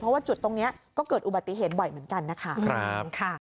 เพราะว่าจุดตรงนี้ก็เกิดอุบัติเหตุบ่อยเหมือนกันนะคะ